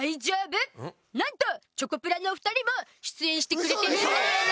なんとチョコプラのお２人も出演してくれてるんだよね！